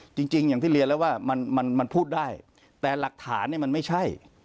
จริงอย่างที่เรียนแล้วว่ามันมันพูดได้แต่หลักฐานเนี่ยมันไม่ใช่